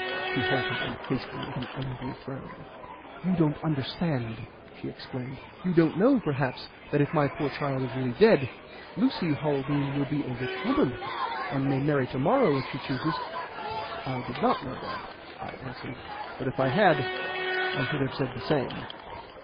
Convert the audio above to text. She halted, and faced me with an angry frown. "You don't understand!" she exclaimed. "You don't know, perhaps, that if my poor child is really dead, Lucy Haldean will be a rich woman, and may marry to morrow if she chooses?" "I did not know that," I answered, "but if I had, I should have said the same."